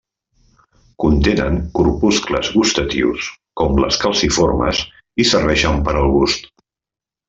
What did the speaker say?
Contenen corpuscles gustatius, com les caliciformes, i serveixen per al gust.